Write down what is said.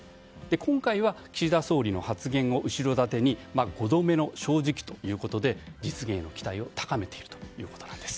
今回は岸田総理の発言を後ろ盾に５度目の正直ということで実現への期待を高めているんです。